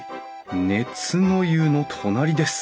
熱の湯の隣です」